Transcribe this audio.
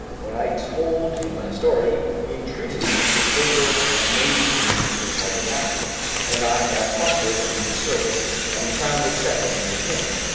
When I told him my story he entreated me with favor and made me his harbor master, and I have prospered in his service and found acceptance with him.